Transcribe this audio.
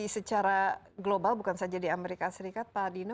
jadi secara global bukan saja di amerika serikat pak dino